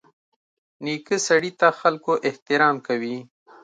نیکه سړي ته خلکو احترام کوي.